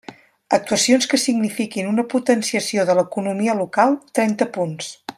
Actuacions que signifiquin una potenciació de l'economia local, trenta punts.